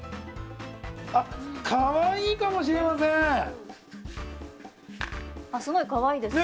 ◆あっ、かわいいかもしれません。